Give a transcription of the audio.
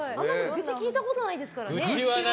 愚痴聞いたことないですからね。